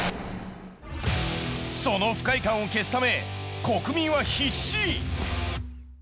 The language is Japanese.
その不快感を消すため国民は必死。